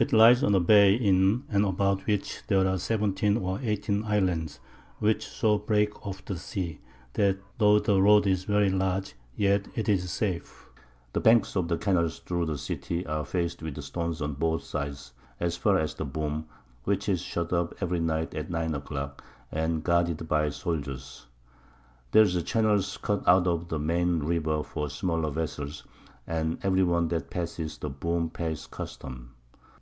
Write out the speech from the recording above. It lies on a Bay in and about which there are 17 or 18 Islands, which so break off the Sea, that tho' the Road is very large, yet it is safe. The Banks of the Canals through the City are fac'd with Stone on both Sides, as far as the Boom, which is shut up every Night, at 9 a Clock, and guarded by Soldiers; there's Channels cut out of the main River for smaller Vessels, and every one that passes the Boom pays Custom.